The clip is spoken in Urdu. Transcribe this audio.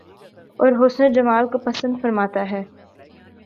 اور حسن و جمال کو پسند فرماتا ہے